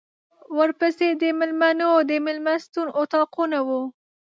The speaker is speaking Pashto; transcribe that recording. ورپسې د مېلمنو د مېلمستون اطاقونه وو.